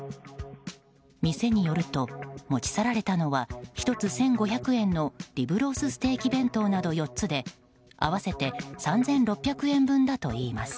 店によると、持ち去られたのは１つ１５００円のリブロースステーキ弁当など４つで合わせて３６００円分だといいます。